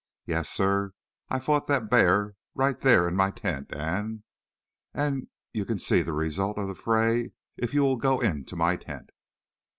Yes, sir, I fought that bear right there in my tent and and you can see the result of the fray if you will go in my tent."